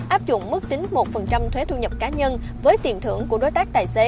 áp dụng mức tính một thuế thu nhập cá nhân với tiền thưởng của đối tác